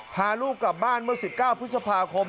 พาลูกกลับบ้านเมื่อ๑๙พฤษภาคม